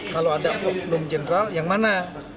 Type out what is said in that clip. kalau ada komunum jenderal yang mana